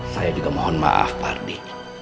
saya juga mohon maaf pak ardi